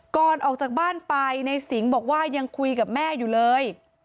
ก่อนออกจากบ้านไปในสิงห์บอกว่ายังคุยกับแม่อยู่เลย